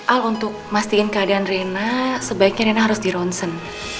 al untuk mastiin keadaan rena sebaiknya rena harus di ronsen